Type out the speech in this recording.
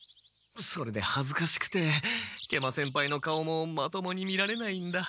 それではずかしくて食満先輩の顔もまともに見られないんだ。